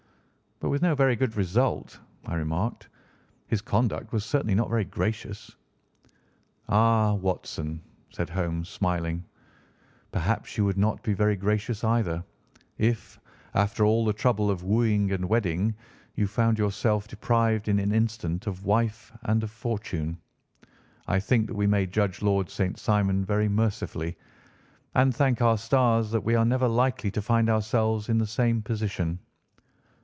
"But with no very good result," I remarked. "His conduct was certainly not very gracious." "Ah, Watson," said Holmes, smiling, "perhaps you would not be very gracious either, if, after all the trouble of wooing and wedding, you found yourself deprived in an instant of wife and of fortune. I think that we may judge Lord St. Simon very mercifully and thank our stars that we are never likely to find ourselves in the same position.